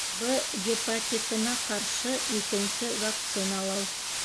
В гепатитына ҡаршы икенсе вакциналау